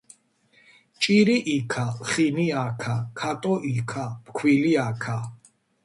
ჭირი იქა ლხინი აქა ქატო იქა ფქვილი აქა